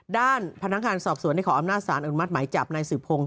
ด้านพนักงานสอบสวนได้ขออำนาจสารอนุมัติหมายจับนายสืบพงศ